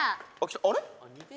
あれ？」